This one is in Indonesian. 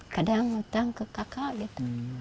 kadang ngutang ke kakak gitu